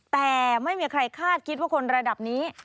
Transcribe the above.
แต่ไม่มีใครคาดคิดว่าคนระดับนี้